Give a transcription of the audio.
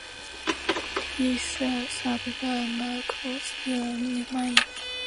This aerodrome served a now-closed uranium mine.